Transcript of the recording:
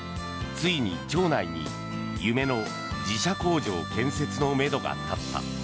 ついに町内に、夢の自社工場建設のめどが立った。